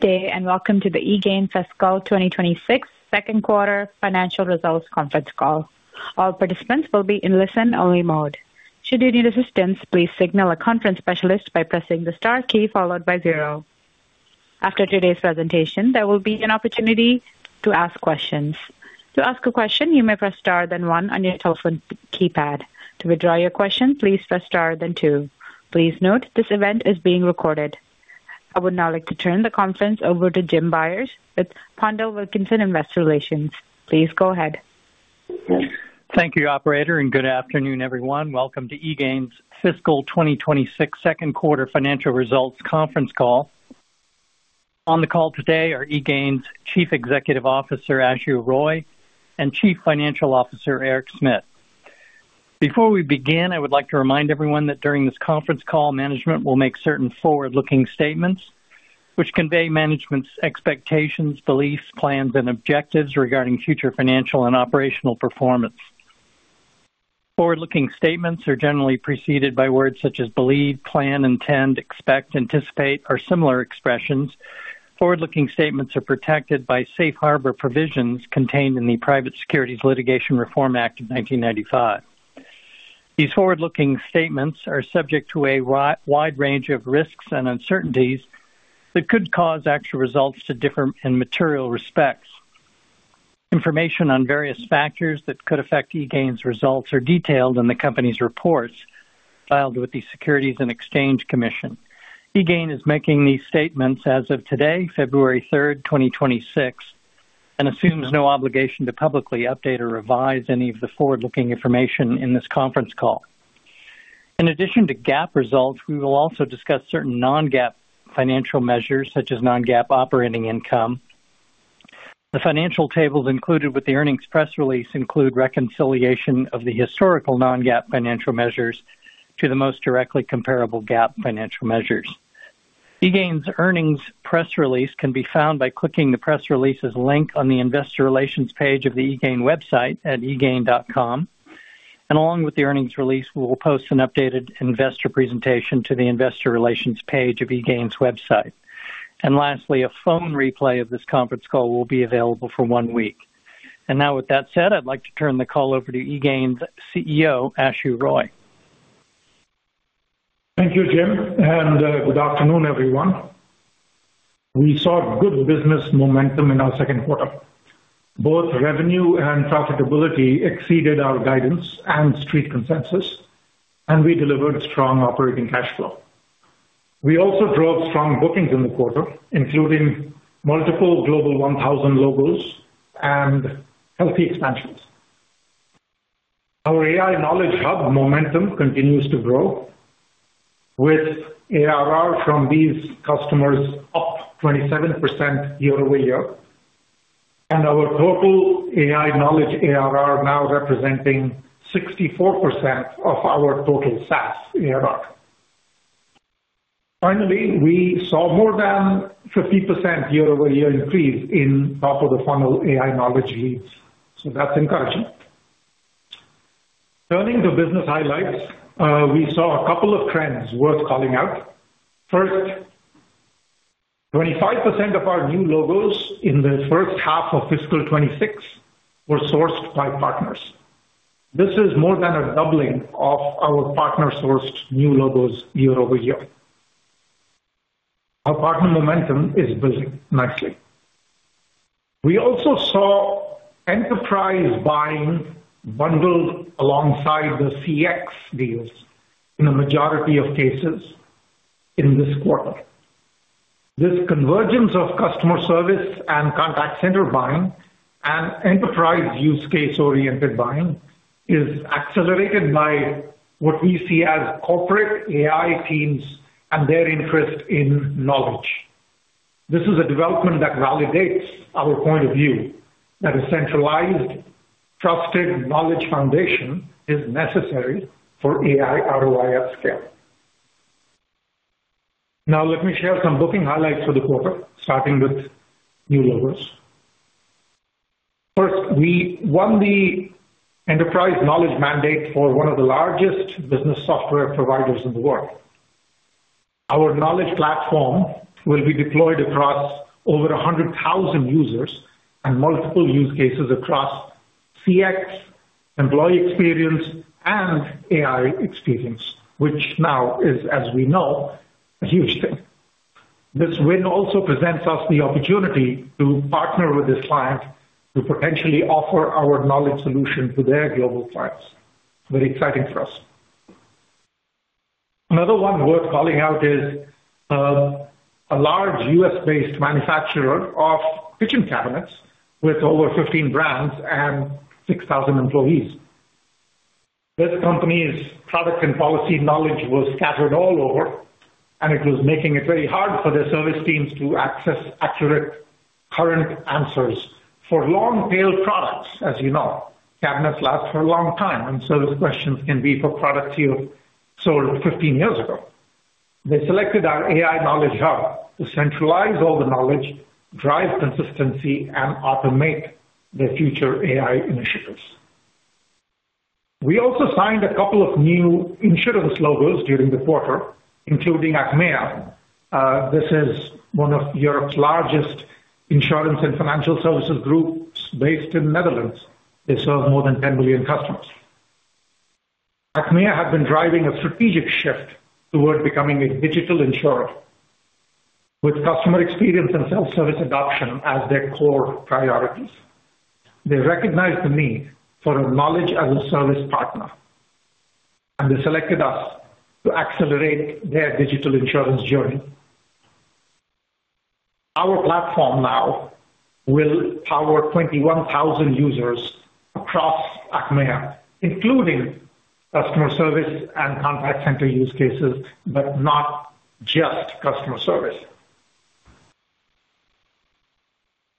Good day, and welcome to the eGain Fiscal 2026 second quarter financial results conference call. All participants will be in listen-only mode. Should you need assistance, please signal a conference specialist by pressing the star key followed by zero. After today's presentation, there will be an opportunity to ask questions. To ask a question, you may press star then one on your telephone keypad. To withdraw your question, please press star, then two. Please note, this event is being recorded. I would now like to turn the conference over to Jim Byers with PondelWilkinson Investor Relations. Please go ahead. Thank you, operator, and good afternoon, everyone. Welcome to eGain's fiscal 2026 second quarter financial results conference call. On the call today are eGain's Chief Executive Officer, Ashu Roy, and Chief Financial Officer, Eric Smith. Before we begin, I would like to remind everyone that during this conference call, management will make certain forward-looking statements which convey management's expectations, beliefs, plans, and objectives regarding future financial and operational performance. Forward-looking statements are generally preceded by words such as believe, plan, intend, expect, anticipate, or similar expressions. Forward-looking statements are protected by safe harbor provisions contained in the Private Securities Litigation Reform Act of 1995. These forward-looking statements are subject to a wide range of risks and uncertainties that could cause actual results to differ in material respects. Information on various factors that could affect eGain's results are detailed in the company's reports filed with the Securities and Exchange Commission. eGain is making these statements as of today, February third, 2026, and assumes no obligation to publicly update or revise any of the forward-looking information in this conference call. In addition to GAAP results, we will also discuss certain non-GAAP financial measures, such as non-GAAP operating income. The financial tables included with the earnings press release include reconciliation of the historical non-GAAP financial measures to the most directly comparable GAAP financial measures. eGain's earnings press release can be found by clicking the press releases link on the investor relations page of the eGain website at egain.com, and along with the earnings release, we will post an updated investor presentation to the investor relations page of eGain's website. And lastly, a phone replay of this conference call will be available for one week. And now, with that said, I'd like to turn the call over to eGain's CEO, Ashu Roy. Thank you, Jim, and good afternoon, everyone. We saw good business momentum in our second quarter. Both revenue and profitability exceeded our guidance and Street consensus, and we delivered strong operating cash flow. We also drove strong bookings in the quarter, including multiple Global 1000 logos and healthy expansions. Our AI Knowledge Hub momentum continues to grow, with ARR from these customers up 27% year-over-year, and our total AI knowledge ARR now representing 64% of our total SaaS ARR. Finally, we saw more than 50% year-over-year increase in top of the funnel AI knowledge leads. So that's encouraging. Turning to business highlights, we saw a couple of trends worth calling out. First, 25% of our new logos in the first half of fiscal 2026 were sourced by partners. This is more than a doubling of our partner-sourced new logos year-over-year. Our partner momentum is building nicely. We also saw enterprise buying bundled alongside the CX deals in a majority of cases in this quarter. This convergence of customer service and contact center buying and enterprise use case-oriented buying is accelerated by what we see as corporate AI teams and their interest in knowledge. This is a development that validates our point of view that a centralized, trusted knowledge foundation is necessary for AI ROI at scale. Now, let me share some booking highlights for the quarter, starting with new logos. First, we won the enterprise knowledge mandate for one of the largest business software providers in the world. Our knowledge platform will be deployed across over 100,000 users and multiple use cases across CX, employee experience, and AI experience, which now is, as we know, a huge thing. This win also presents us the opportunity to partner with this client to potentially offer our knowledge solution to their global clients. Very exciting for us. Another one worth calling out is a large U.S. based manufacturer of kitchen cabinets with over 15 brands and 6,000 employees. This company's product and policy knowledge was scattered all over, and it was making it very hard for their service teams to access accurate, current answers for long-tail products. As you know, cabinets last for a long time, and service questions can be for products you sold 15 years ago. They selected our AI Knowledge Hub to centralize all the knowledge, drive consistency, and automate their future AI initiatives.... We also signed a couple of new insurance logos during the quarter, including Achmea. This is one of Europe's largest insurance and financial services groups based in Netherlands. They serve more than 10 million customers. Achmea had been driving a strategic shift towards becoming a digital insurer, with customer experience and self-service adoption as their core priorities. They recognized the need for a knowledge-as-a-service partner, and they selected us to accelerate their digital insurance journey. Our platform now will power 21,000 users across Achmea, including customer service and contact center use cases, but not just customer service.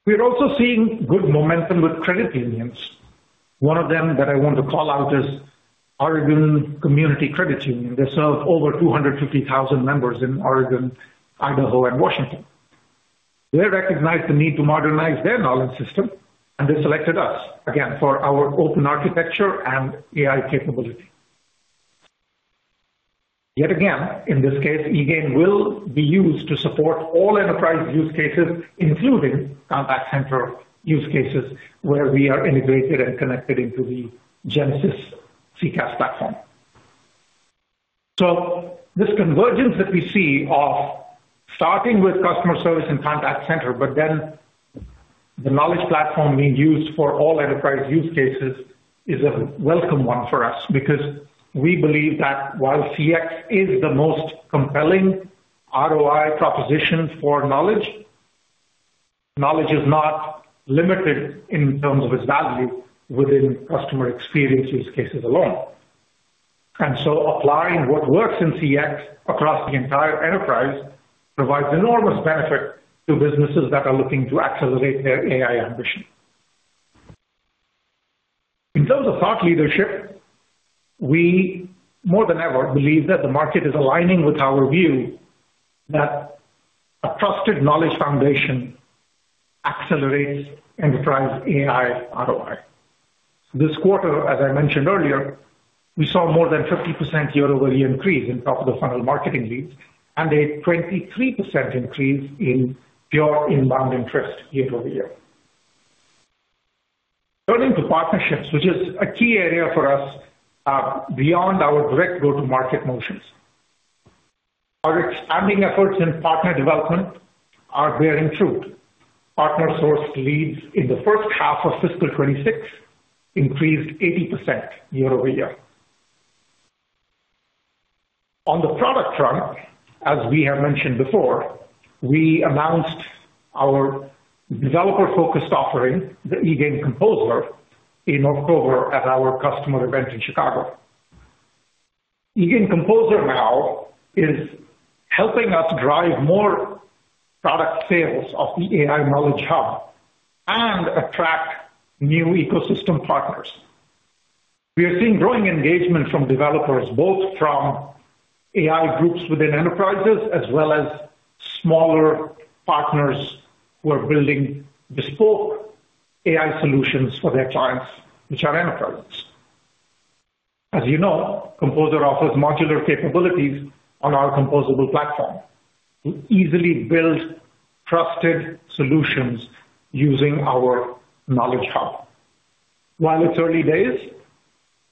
We are also seeing good momentum with credit unions. One of them that I want to call out is Oregon Community Credit Union. They serve over 250,000 members in Oregon, Idaho, and Washington. They recognized the need to modernize their knowledge system, and they selected us, again, for our open architecture and AI capability. Yet again, in this case, eGain will be used to support all enterprise use cases, including contact center use cases, where we are integrated and connected into the Genesys CCaaS platform. So this convergence that we see of starting with customer service and contact center, but then the knowledge platform being used for all enterprise use cases, is a welcome one for us. Because we believe that while CX is the most compelling ROI proposition for knowledge, knowledge is not limited in terms of its value within customer experience use cases alone. And so applying what works in CX across the entire enterprise provides enormous benefit to businesses that are looking to accelerate their AI ambition. In terms of thought leadership, we more than ever believe that the market is aligning with our view that a trusted knowledge foundation accelerates enterprise AI ROI. This quarter, as I mentioned earlier, we saw more than 50% year-over-year increase in top-of-the-funnel marketing leads and a 23% increase in pure inbound interest year-over-year. Turning to partnerships, which is a key area for us, beyond our direct go-to-market motions. Our expanding efforts in partner development are bearing fruit. Partner-sourced leads in the first half of fiscal 2026 increased 80% year-over-year. On the product front, as we have mentioned before, we announced our developer-focused offering, the eGain Composer, in October at our customer event in Chicago. eGain Composer now is helping us drive more product sales of the AI Knowledge Hub and attract new ecosystem partners. We are seeing growing engagement from developers, both from AI groups within enterprises as well as smaller partners who are building bespoke AI solutions for their clients, which are enterprises. As you know, Composer offers modular capabilities on our composable platform to easily build trusted solutions using our knowledge hub. While it's early days,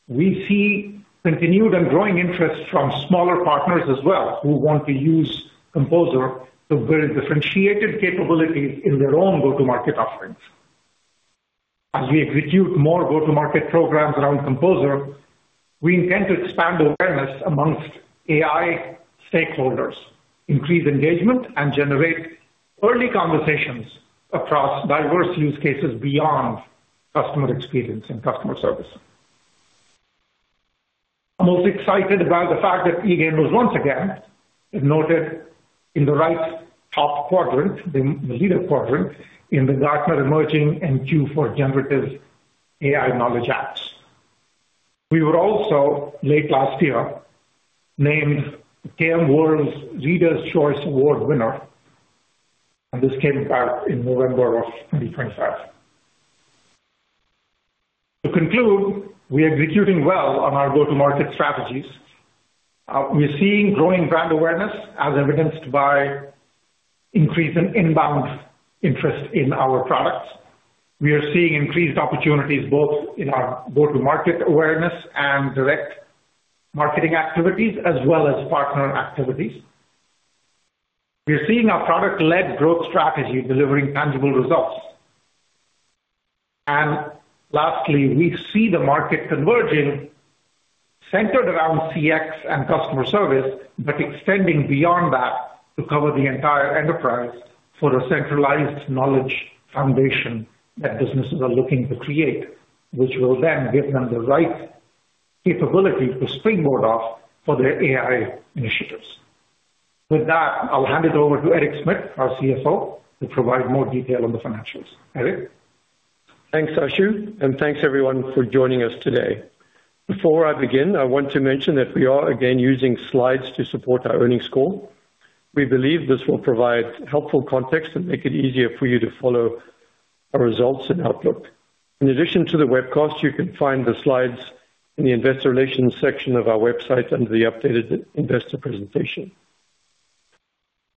we see continued and growing interest from smaller partners as well, who want to use Composer to build differentiated capabilities in their own go-to-market offerings. As we execute more go-to-market programs around Composer, we intend to expand awareness among AI stakeholders, increase engagement, and generate early conversations across diverse use cases beyond customer experience and customer service. I'm most excited about the fact that eGain was once again noted in the right top quadrant, the leader quadrant, in the Gartner's Magic Quadrant for Generative AI Knowledge Apps. We were also, late last year, named KMWorld's Readers Choice Award winner, and this came out in November of 2025. To conclude, we are executing well on our go-to-market strategies. We are seeing growing brand awareness as evidenced by increase in inbound interest in our products. We are seeing increased opportunities both in our go-to-market awareness and direct marketing activities, as well as partner activities. We are seeing our product-led growth strategy delivering tangible results. And lastly, we see the market converging, centered around CX and customer service, but extending beyond that to cover the entire enterprise for a centralized knowledge foundation that businesses are looking to create, which will then give them the right capability to springboard off for their AI initiatives. With that, I'll hand it over to Eric Smit, our CFO, to provide more detail on the financials. Eric? Thanks, Ashu, and thanks, everyone, for joining us today. Before I begin, I want to mention that we are again using slides to support our earnings call. We believe this will provide helpful context and make it easier for you to follow our results and outlook. In addition to the webcast, you can find the slides in the investor relations section of our website under the Updated Investor Presentation.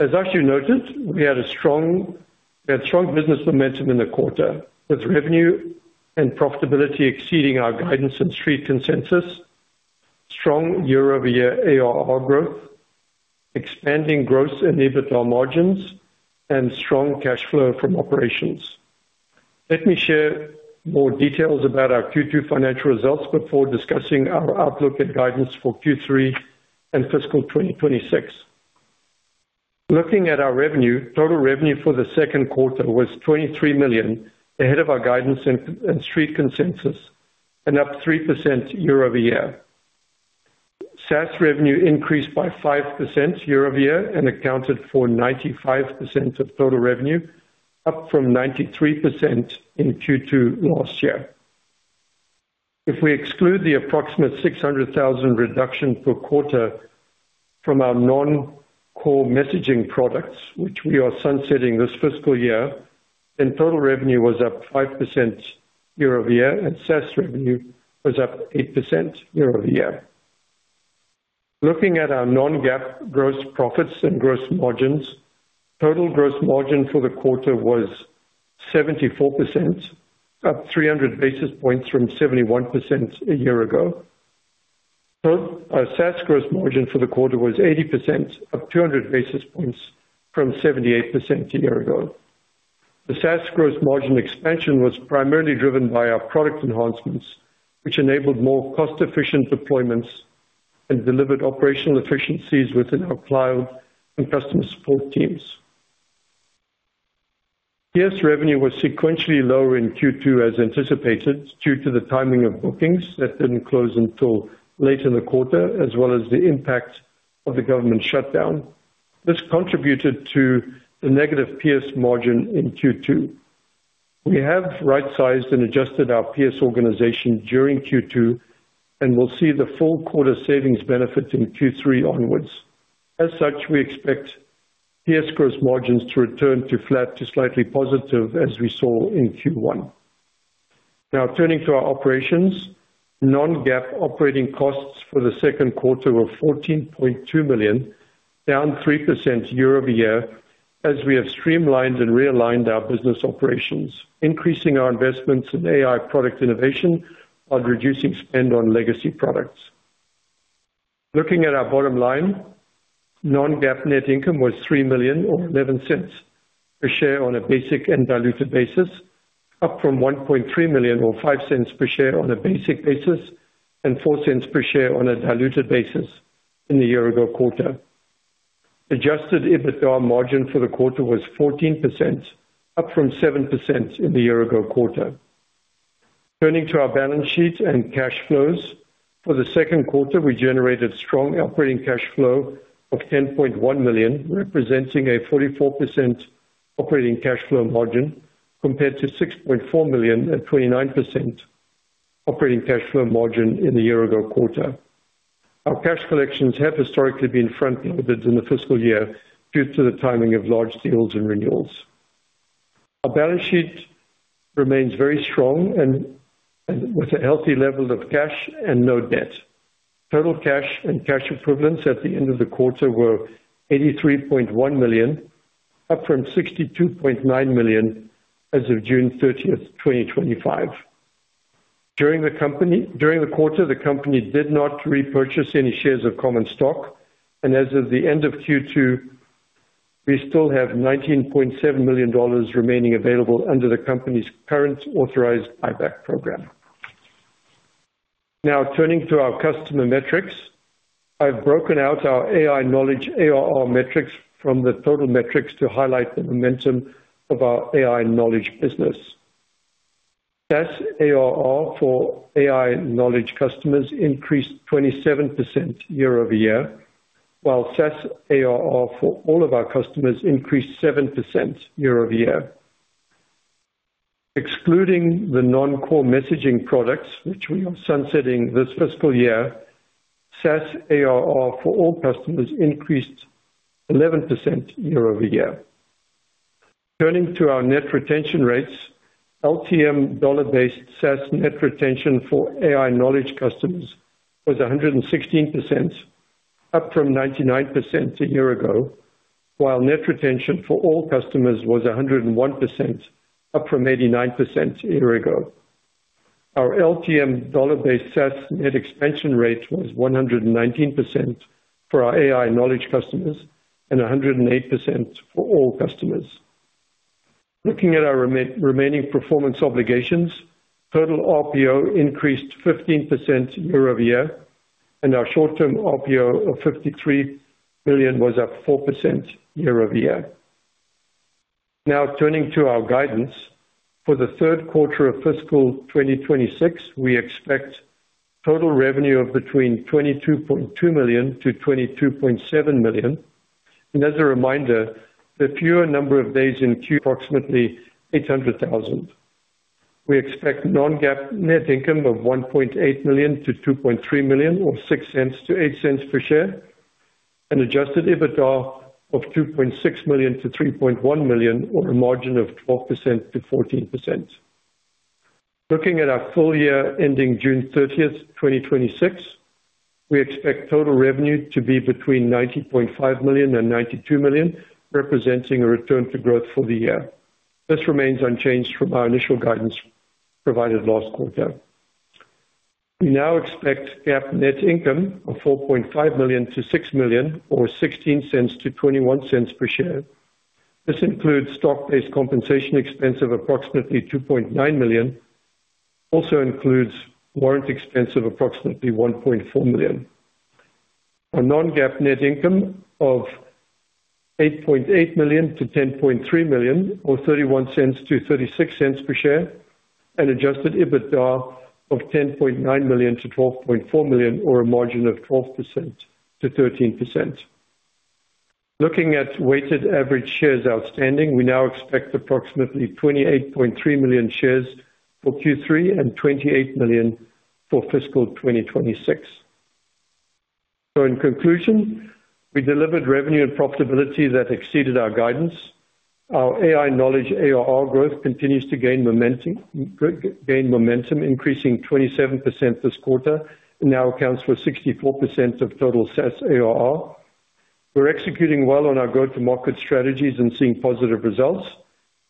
As Ashu noted, we had strong business momentum in the quarter, with revenue and profitability exceeding our guidance and Street consensus, strong year-over-year ARR growth, expanding gross and EBITDA margins, and strong cash flow from operations. Let me share more details about our Q2 financial results before discussing our outlook and guidance for Q3 and fiscal 2026. Looking at our revenue, total revenue for the second quarter was $23 million, ahead of our guidance and Street consensus, and up 3% year-over-year. SaaS revenue increased by 5% year-over-year and accounted for 95% of total revenue, up from 93% in Q2 last year. If we exclude the approximate $600,000 reduction per quarter from our non-core messaging products, which we are sunsetting this fiscal year, then total revenue was up 5% year-over-year, and SaaS revenue was up 8% year-over-year. Looking at our non-GAAP gross profits and gross margins, total gross margin for the quarter was 74%, up 300 basis points from 71% a year ago. So our SaaS gross margin for the quarter was 80%, up 200 basis points from 78% a year ago. The SaaS gross margin expansion was primarily driven by our product enhancements, which enabled more cost-efficient deployments and delivered operational efficiencies within our cloud and customer support teams. PS revenue was sequentially lower in Q2, as anticipated, due to the timing of bookings that didn't close until late in the quarter, as well as the impact of the government shutdown. This contributed to the negative PS margin in Q2. We have right-sized and adjusted our PS organization during Q2, and we'll see the full quarter savings benefit in Q3 onwards. As such, we expect PS gross margins to return to flat to slightly positive, as we saw in Q1. Now turning to our operations. Non-GAAP operating costs for the second quarter were $14.2 million, down 3% year-over-year, as we have streamlined and realigned our business operations, increasing our investments in AI product innovation while reducing spend on legacy products. Looking at our bottom line, non-GAAP net income was $3 million or $0.11 per share on a basic and diluted basis, up from $1.3 million or $0.05 per share on a basic basis and $0.04 per share on a diluted basis in the year-ago quarter. Adjusted EBITDA margin for the quarter was 14%, up from 7% in the year-ago quarter. Turning to our balance sheet and cash flows. For the second quarter, we generated strong operating cash flow of $10.1 million, representing a 44% operating cash flow margin, compared to $6.4 million at 29% operating cash flow margin in the year-ago quarter. Our cash collections have historically been front-loaded in the fiscal year due to the timing of large deals and renewals. Our balance sheet remains very strong and with a healthy level of cash and no debt. Total cash and cash equivalents at the end of the quarter were $83.1 million, up from $62.9 million as of June 30, 2025. During the quarter, the company did not repurchase any shares of common stock, and as of the end of Q2, we still have $19.7 million remaining available under the company's current authorized buyback program. Now turning to our customer metrics. I've broken out our AI knowledge ARR metrics from the total metrics to highlight the momentum of our AI knowledge business. SaaS ARR for AI knowledge customers increased 27% year-over-year, while SaaS ARR for all of our customers increased 7% year-over-year. Excluding the non-core messaging products, which we are sunsetting this fiscal year, SaaS ARR for all customers increased 11% year-over-year. Turning to our net retention rates, LTM dollar-based SaaS net retention for AI knowledge customers was 116%, up from 99% a year ago, while net retention for all customers was 101%, up from 89% a year ago. Our LTM dollar-based SaaS net expansion rate was 119% for our AI knowledge customers and 108% for all customers. Looking at our remaining performance obligations, total RPO increased 15% year-over-year, and our short-term RPO of $53 million was up 4% year-over-year. Now, turning to our guidance. For the third quarter of fiscal 2026, we expect total revenue of between $22.2 million-$22.7 million. And as a reminder, the fewer number of days in Q, approximately $800,000. We expect non-GAAP net income of $1.8 million-$2.3 million, or $0.06-$0.08 per share, and adjusted EBITDA of $2.6 million-$3.1 million, or a margin of 12%-14%. Looking at our full year ending June 30, 2026, we expect total revenue to be between $90.5 million and $92 million, representing a return to growth for the year. This remains unchanged from our initial guidance provided last quarter. We now expect GAAP net income of $4.5 million-$6 million, or $0.16-$0.21 per share. This includes stock-based compensation expense of approximately $2.9 million, also includes warrant expense of approximately $1.4 million. A non-GAAP net income of $8.8 million-$10.3 million, or $0.31-$0.36 per share, and adjusted EBITDA of $10.9 million-$12.4 million, or a margin of 12%-13%. Looking at weighted average shares outstanding, we now expect approximately 28.3 million shares for Q3 and 28 million for fiscal 2026. So in conclusion, we delivered revenue and profitability that exceeded our guidance. Our AI knowledge ARR growth continues to gain momentum, increasing 27% this quarter and now accounts for 64% of total SaaS ARR. We're executing well on our go-to-market strategies and seeing positive results,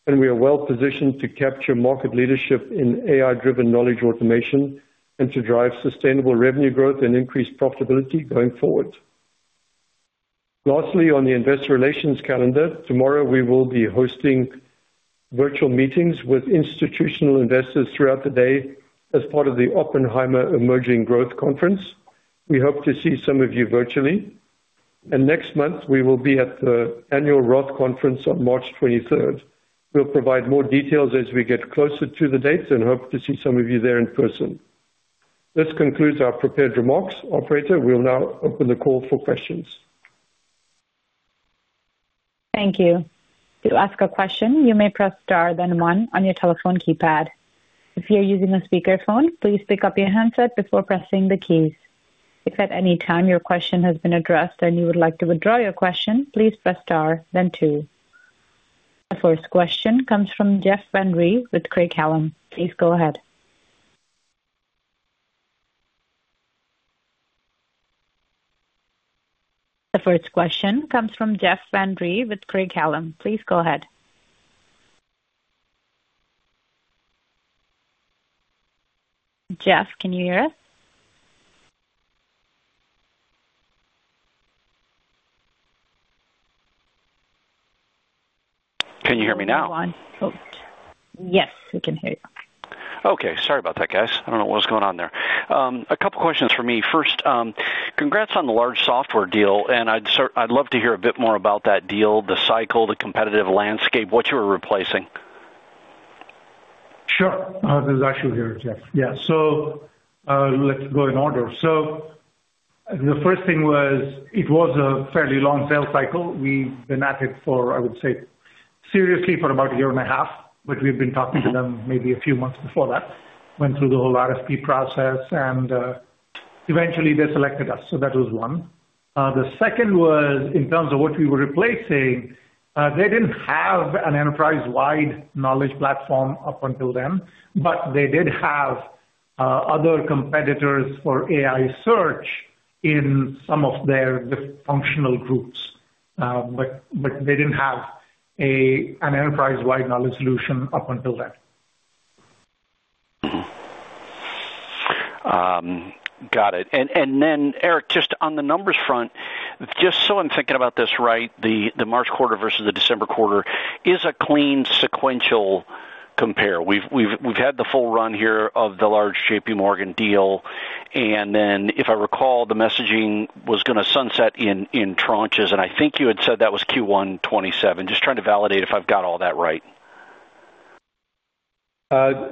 and we are well positioned to capture market leadership in AI-driven knowledge automation and to drive sustainable revenue growth and increased profitability going forward. Lastly, on the investor relations calendar, tomorrow we will be hosting virtual meetings with institutional investors throughout the day as part of the Oppenheimer Emerging Growth Conference. We hope to see some of you virtually. And next month, we will be at the annual Roth Conference on March twenty-third. We'll provide more details as we get closer to the date and hope to see some of you there in person. This concludes our prepared remarks. Operator, we'll now open the call for questions. Thank you. To ask a question, you may press star, then one on your telephone keypad. If you're using a speakerphone, please pick up your handset before pressing the keys. If at any time your question has been addressed and you would like to withdraw your question, please press star then two. The first question comes from Jeff Van Rhee with Craig-Hallum. Please go ahead. The first question comes from Jeff Van Rhee with Craig-Hallum. Please go ahead. Jeff, can you hear us? Can you hear me now? Yes, we can hear you. Okay. Sorry about that, guys. I don't know what was going on there. A couple questions for me. First, congrats on the large software deal, and I'd love to hear a bit more about that deal, the cycle, the competitive landscape, what you were replacing. Sure. This is Ashu here, Jeff. Yeah. So, let's go in order. So the first thing was, it was a fairly long sales cycle. We've been at it for, I would say, seriously, for about a year and a half, but we've been talking to them maybe a few months before that. Went through the whole RFP process, and eventually they selected us, so that was one. The second was, in terms of what we were replacing, they didn't have an enterprise-wide knowledge platform up until then, but they did have other competitors for AI search in some of their dysfunctional groups. But they didn't have a, an enterprise-wide knowledge solution up until then. Mm-hmm. Got it. And then, Eric, just on the numbers front, just so I'm thinking about this right, the March quarter versus the December quarter is a clean, sequential compare. We've had the full run here of the large JPMorgan deal, and then if I recall, the messaging was gonna sunset in tranches, and I think you had said that was Q1 2027. Just trying to validate if I've got all that right.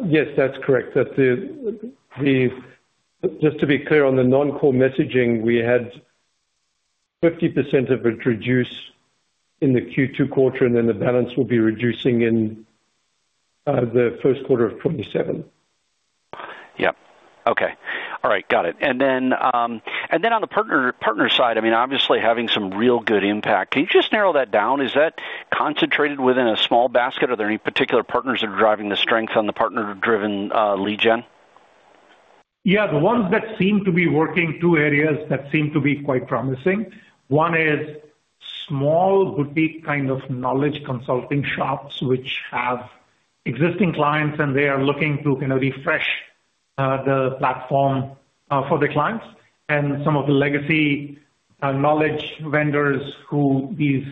Yes, that's correct. Just to be clear, on the non-core messaging, we had 50% of it reduced in the Q2 quarter, and then the balance will be reducing in the first quarter of 2027. Yep. Okay. All right, got it. And then on the partner side, I mean, obviously having some real good impact. Can you just narrow that down? Is that concentrated within a small basket, or are there any particular partners that are driving the strength on the partner-driven lead gen? Yeah, the ones that seem to be working, two areas that seem to be quite promising. One is small, boutique kind of knowledge consulting shops, which have existing clients, and they are looking to kind of refresh the platform for the clients, and some of the legacy knowledge vendors who these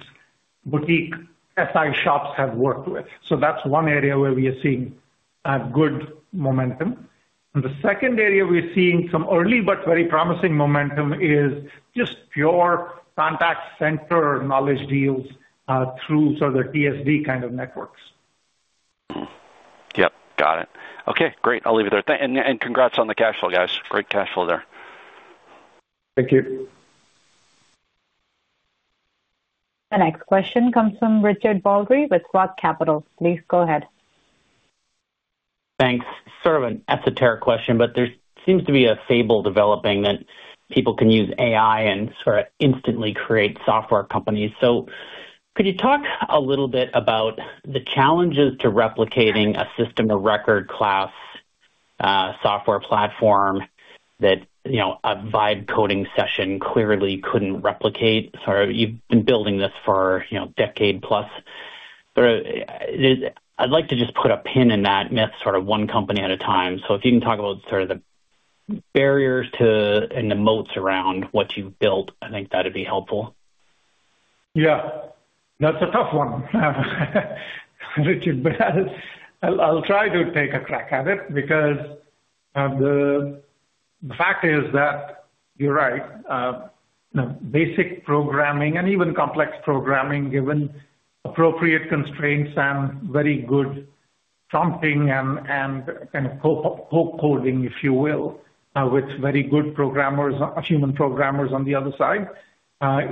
boutique SI shops have worked with. So that's one area where we are seeing good momentum. And the second area we're seeing some early but very promising momentum is just pure contact center knowledge deals through sort of the TSD kind of networks. Yep, got it. Okay, great. I'll leave it there. Thank... And congrats on the cash flow, guys. Great cash flow there. Thank you. The next question comes from Richard Baldry with ROTH MKM. Please go ahead. Thanks. Sort of an esoteric question, but there seems to be a fable developing that people can use AI and sort of instantly create software companies. So could you talk a little bit about the challenges to replicating a system of record class, software platform that, you know, a vibe coding session clearly couldn't replicate? So you've been building this for, you know, a decade plus. But I'd like to just put a pin in that myth, sort of one company at a time. So if you can talk about sort of the barriers to, and the moats around what you've built, I think that'd be helpful. Yeah, that's a tough one, Richard, but I'll, I'll try to take a crack at it because the fact is that you're right. Basic programming and even complex programming, given appropriate constraints and very good jumping and kind of co-coding, if you will, with very good programmers, human programmers on the other side,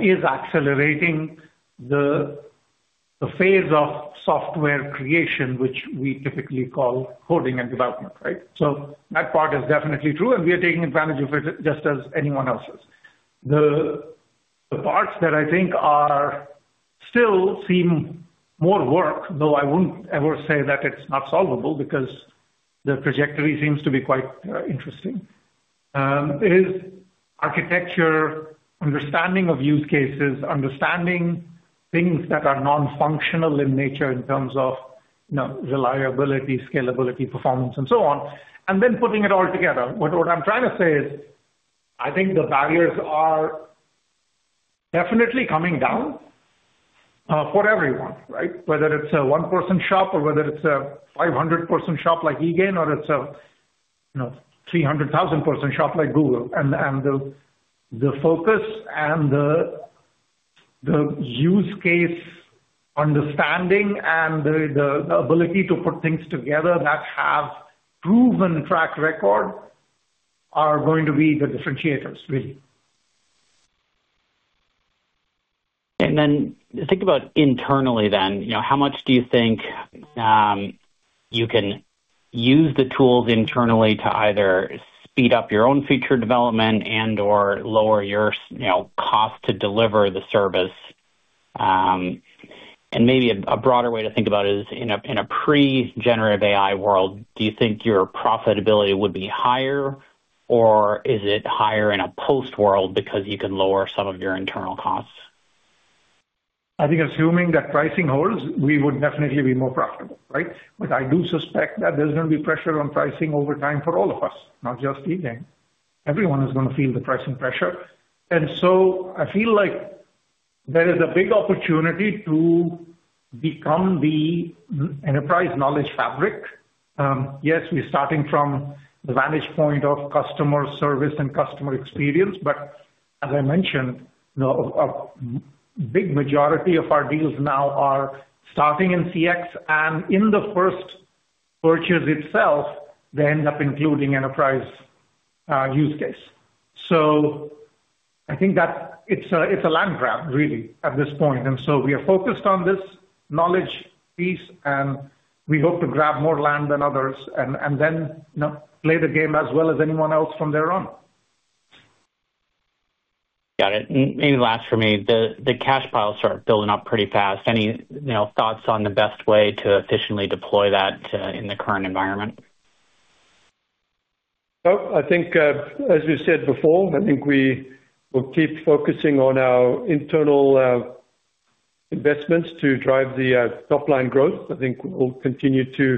is accelerating the phase of software creation, which we typically call coding and development, right? So that part is definitely true, and we are taking advantage of it just as anyone else is. The parts that I think are still seem more work, though I wouldn't ever say that it's not solvable because the trajectory seems to be quite interesting is architecture, understanding of use cases, understanding things that are non-functional in nature in terms of, you know, reliability, scalability, performance, and so on, and then putting it all together. But what I'm trying to say is, I think the barriers are definitely coming down for everyone, right? Whether it's a one-person shop or whether it's a 500 person shop like eGain, or it's a, you know, 300,000 person shop like Google. And the focus and the use case understanding and the ability to put things together that have proven track record are going to be the differentiators, really. And then think about internally then, you know, how much do you think you can use the tools internally to either speed up your own feature development and/or lower your, you know, cost to deliver the service? And maybe a broader way to think about it is, in a pre-generative AI world, do you think your profitability would be higher, or is it higher in a post world because you can lower some of your internal costs? I think assuming that pricing holds, we would definitely be more profitable, right? But I do suspect that there's going to be pressure on pricing over time for all of us, not just eGain. Everyone is gonna feel the pricing pressure. And so I feel like there is a big opportunity to become the enterprise knowledge fabric. Yes, we're starting from the vantage point of customer service and customer experience, but as I mentioned, you know, a big majority of our deals now are starting in CX, and in the first purchase itself, they end up including enterprise use case. So I think that it's a land grab, really, at this point. And so we are focused on this knowledge piece, and we hope to grab more land than others and then, you know, play the game as well as anyone else from there on. Got it. And maybe last for me, the cash piles are building up pretty fast. Any, you know, thoughts on the best way to efficiently deploy that in the current environment? Well, I think, as we said before, I think we will keep focusing on our internal, investments to drive the, top-line growth. I think we'll continue to...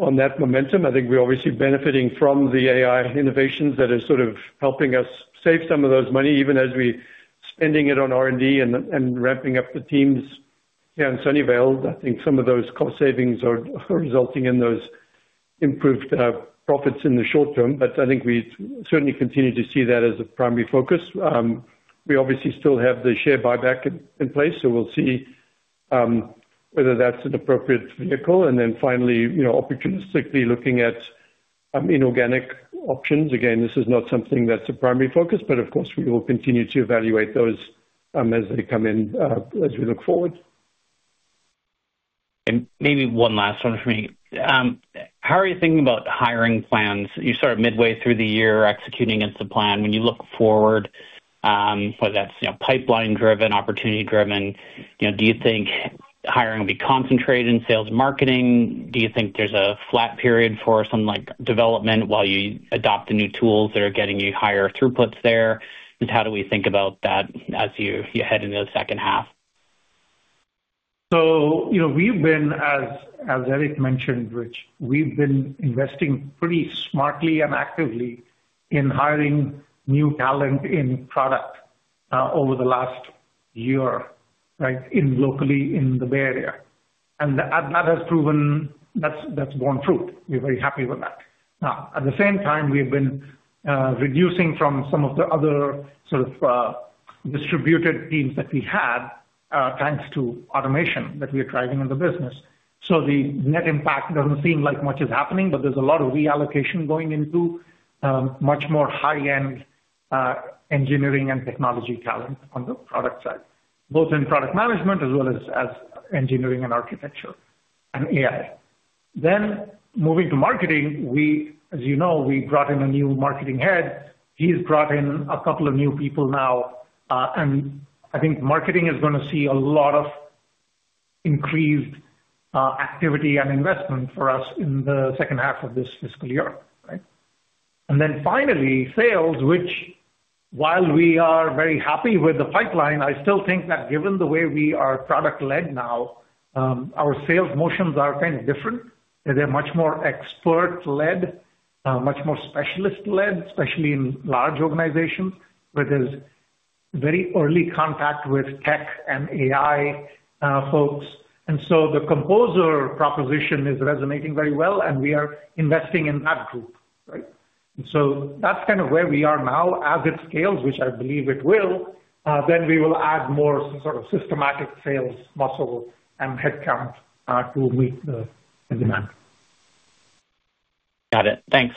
On that momentum, I think we're obviously benefiting from the AI innovations that are sort of helping us save some of those money, even as we're spending it on R&D and ramping up the teams here in Sunnyvale. I think some of those cost savings are resulting in those improved, profits in the short term, but I think we certainly continue to see that as a primary focus. We obviously still have the share buyback in place, so we'll see, whether that's an appropriate vehicle. And then finally, you know, opportunistically looking at, inorganic options. Again, this is not something that's a primary focus, but of course, we will continue to evaluate those, as they come in, as we look forward. Maybe one last one for me. How are you thinking about hiring plans? You're sort of midway through the year, executing against the plan. When you look forward, whether that's, you know, pipeline-driven, opportunity-driven, you know, do you think hiring will be concentrated in sales and marketing? Do you think there's a flat period for something like development while you adopt the new tools that are getting you higher throughputs there? And how do we think about that as you, you head into the second half? So, you know, we've been, as, as Eric mentioned, Rich, we've been investing pretty smartly and actively in hiring new talent in product over the last year, right, in locally in the Bay Area. And that has proven... That's, that's borne fruit. We're very happy with that. Now, at the same time, we've been reducing from some of the other sort of distributed teams that we had. Thanks to automation that we are driving in the business. So the net impact doesn't seem like much is happening, but there's a lot of reallocation going into much more high-end engineering and technology talent on the product side, both in product management as well as, as engineering and architecture and AI. Then moving to marketing, we, as you know, we brought in a new marketing head. He's brought in a couple of new people now, and I think marketing is gonna see a lot of increased activity and investment for us in the second half of this fiscal year, right? And then finally, sales, which while we are very happy with the pipeline, I still think that given the way we are product-led now, our sales motions are kind of different. They're much more expert-led, much more specialist-led, especially in large organizations, where there's very early contact with tech and AI folks. And so the composer proposition is resonating very well, and we are investing in that group, right? So that's kind of where we are now. As it scales, which I believe it will, then we will add more sort of systematic sales muscle and headcount to meet the demand. Got it. Thanks.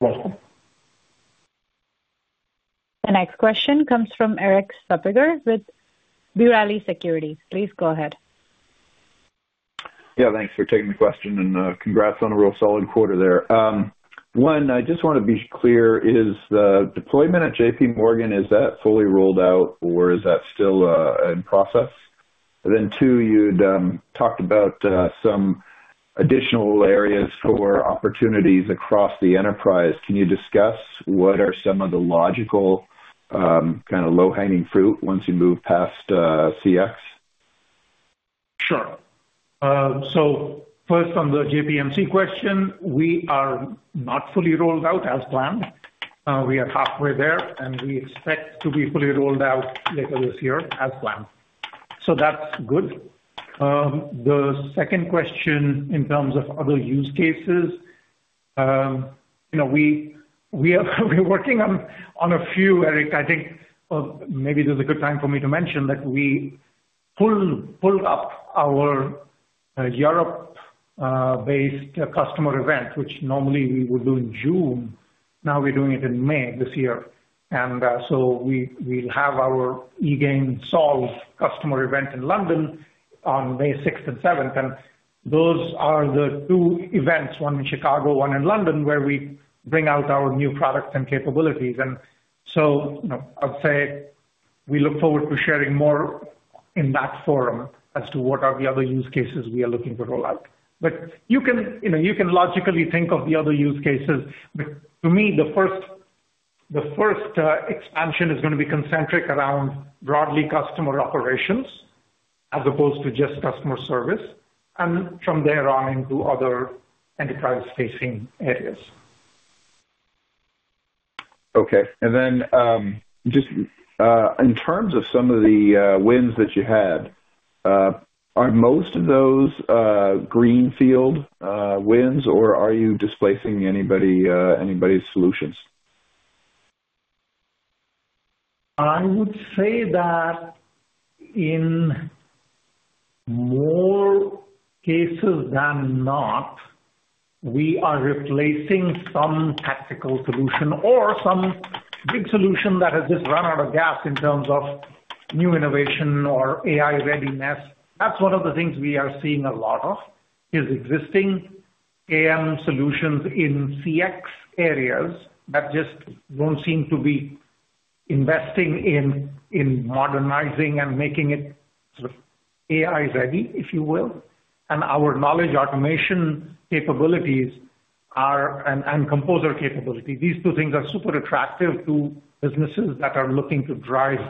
Welcome. The next question comes from Erik Suppiger with B. Riley Securities. Please go ahead. Yeah, thanks for taking the question, and congrats on a real solid quarter there. One, I just want to be clear, is the deployment at JPMorgan, is that fully rolled out, or is that still in process? Then, two, you'd talked about some additional areas for opportunities across the enterprise. Can you discuss what are some of the logical kind of low-hanging fruit once you move past CX? Sure. So first, on the JPMC question, we are not fully rolled out as planned. We are halfway there, and we expect to be fully rolled out later this year as planned. So that's good. The second question in terms of other use cases, you know, we are working on a few, Eric. I think, maybe this is a good time for me to mention that we pulled up our Europe-based customer event, which normally we would do in June. Now we're doing it in May this year, and so we, we'll have our eGain Solve customer event in London on May sixth and seventh. And those are the two events, one in Chicago, one in London, where we bring out our new products and capabilities. And so, you know, I'd say we look forward to sharing more in that forum as to what are the other use cases we are looking to roll out. But you can, you know, you can logically think of the other use cases. But to me, the first expansion is gonna be concentric around broadly customer operations, as opposed to just customer service, and from there on into other enterprise-facing areas. Okay. And then, just, in terms of some of the wins that you had, are most of those greenfield wins, or are you displacing anybody, anybody's solutions? I would say that in more cases than not, we are replacing some tactical solution or some big solution that has just run out of gas in terms of new innovation or AI readiness. That's one of the things we are seeing a lot of, is existing CRM solutions in CX areas that just don't seem to be investing in modernizing and making it AI ready, if you will. And our knowledge automation capabilities are... and composer capability. These two things are super attractive to businesses that are looking to drive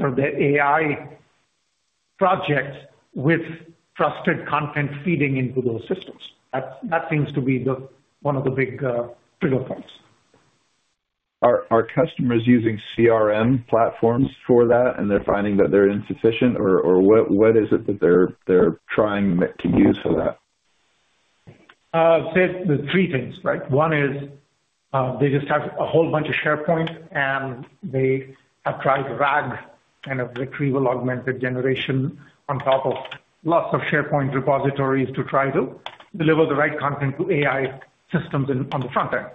sort of the AI projects with trusted content feeding into those systems. That seems to be one of the big trigger points. Are customers using CRM platforms for that, and they're finding that they're insufficient? Or what is it that they're trying to use for that? Say there's three things, right? One is, they just have a whole bunch of SharePoint, and they have tried RAG, kind of retrieval augmented generation, on top of lots of SharePoint repositories to try to deliver the right content to AI systems in, on the front end.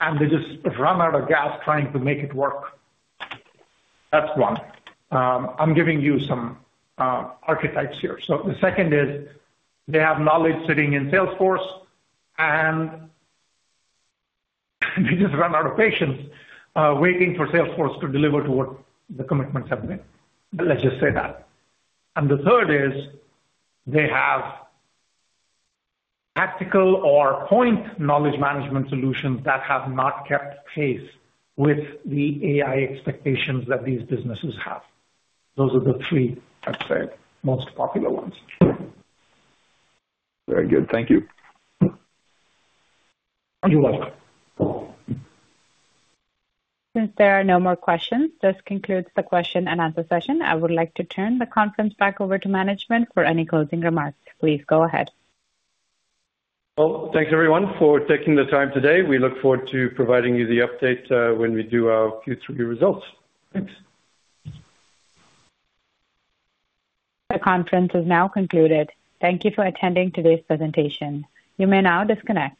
And they just run out of gas trying to make it work. That's one. I'm giving you some archetypes here. So the second is, they have knowledge sitting in Salesforce, and they just run out of patience waiting for Salesforce to deliver to what the commitments have been. Let's just say that. And the third is, they have tactical or point knowledge management solutions that have not kept pace with the AI expectations that these businesses have. Those are the three, I'd say, most popular ones. Very good. Thank you. You're welcome. Since there are no more questions, this concludes the question and answer session. I would like to turn the conference back over to management for any closing remarks. Please go ahead. Well, thanks, everyone, for taking the time today. We look forward to providing you the update when we do our Q3 results. Thanks. The conference is now concluded. Thank you for attending today's presentation. You may now disconnect.